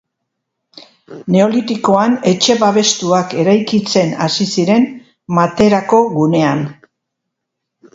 Neolitikoan etxe babestuak eraikitzen hasi ziren Materako gunean.